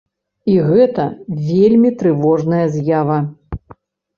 І гэта вельмі трывожная з'ява.